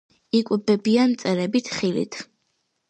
იკვებებიან მწერებით, ხილით.